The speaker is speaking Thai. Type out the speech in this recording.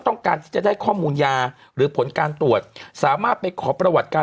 ต้องการที่จะได้ข้อมูลยาหรือผลการตรวจสามารถไปขอประวัติการ